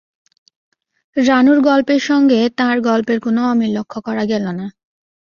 রানুর গল্পের সঙ্গে তাঁর গল্পের কোনো অমিল লক্ষ্য করা গেল না।